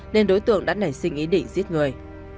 nên đối tượng đã nảy sinh ý định giết người